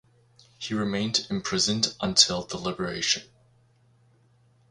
He remained imprisoned until the liberation.